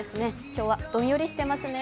今日はどんよりしていますね。